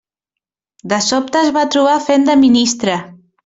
De sobte es va trobar fent de ministre.